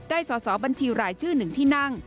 ได้สสบัญชีหลายชื่อหนึ่งที่นั่ง